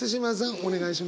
お願いします。